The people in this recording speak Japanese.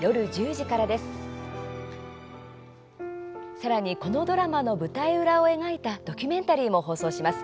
さらにこのドラマの舞台裏を描いたドキュメンタリーも放送します。